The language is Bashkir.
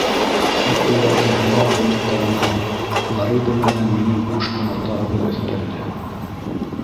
Тик уларҙың һыңар ҡанаттарына Флорида менән минең ҡуш ҡанаттарыбыҙ өҫтәлде.